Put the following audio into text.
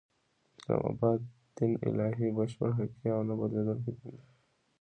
د اسلام مبارک دین الهی ، بشپړ ، حقیقی او نه بدلیدونکی دین دی